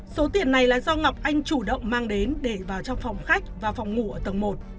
số tiền này là do ngọc anh chủ động mang đến để vào trong phòng khách và phòng ngủ ở tầng một